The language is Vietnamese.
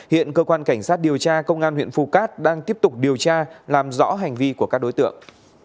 hiện cơ quan cảnh sát điều tra công an huyện phù cát đang tiếp tục điều tra làm rõ hành vi của các đối tượng